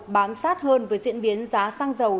bám sát hơn với diễn biến giá xăng dầu